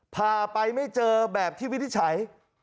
พาไปไม่เจอแบบที่วินิจฉัย